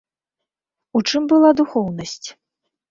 У чым была духоўнасць?